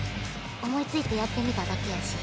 思いついてやってみただけやし。